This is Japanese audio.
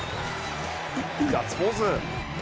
ガッツポーズ！